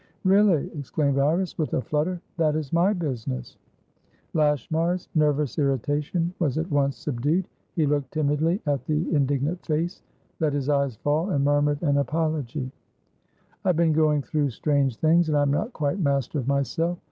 "Really," exclaimed Iris, with a flutter, "that is my business." Lashmar's nervous irritation was at once subdued. He looked timidly at the indignant face, let his eyes fall, and murmured an apology. "I've been going through strange things, and I'm not quite master of myself.